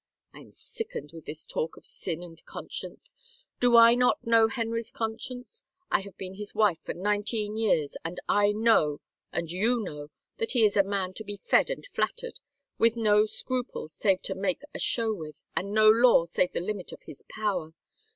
I am sickened with this talk of sin and con science — do I not know Henry's conscience? I have 182 THE QUEEN SPEAKS been his wife for nineteen years and I know and you know that he is a man to be fed and flattered, with no scruple save to make a show with, and no law save the limit of his power.